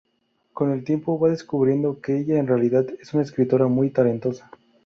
Con el tiempo, va descubriendo que ella en realidad es una escritora muy talentosa.